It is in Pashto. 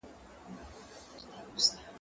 زه سبزیجات تيار کړي دي!.